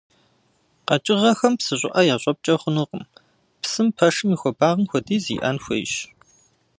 Къэкӏыгъэхэм псы щӏыӏэ ящӏэпкӏэ хъунукъым, псым пэшым и хуэбагъым хуэдиз иӏэн хуейщ.